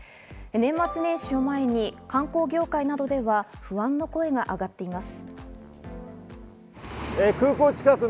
年末年始を前に観光業界などでは不安の声が上がっています。